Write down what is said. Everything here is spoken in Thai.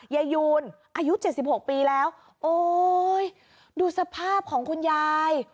ยายยูนอายุ๗๖ปีแล้วโอ๊ยดูสภาพของคุณยาย